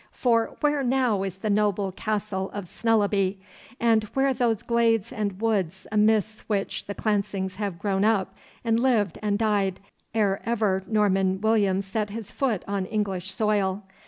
For where now is the noble castle of Snellaby, and where those glades and woods amidst which the Clancings have grown up, and lived and died, ere ever Norman William set his foot on English soil?